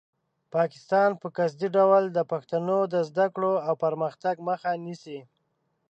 پاکستان په قصدي ډول د پښتنو د زده کړو او پرمختګ مخه نیسي.